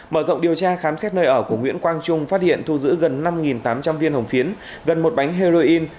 mở rộng điều tra khám xét nơi ở của nguyễn quang trung phát hiện thu giữ gần năm tám trăm linh viên hồng phiến gần một bánh heroin